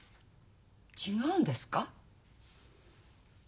違うんですか？